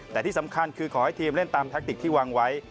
แต่ที่สำคัญคือขอให้ทีมเล่นตามแทคติกที่วางไว้